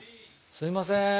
すいません。